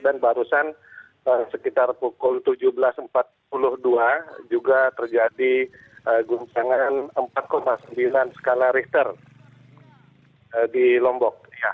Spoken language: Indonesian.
dan barusan sekitar pukul tujuh belas empat puluh dua juga terjadi gempa empat sembilan skala lister di lombok